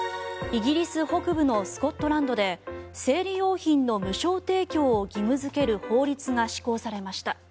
イギリス北部のスコットランドで生理用品の無償提供を義務付ける法律が施行されました。